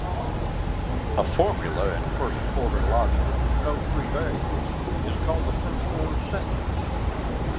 A formula in first-order logic with no free variables is called a first-order sentence.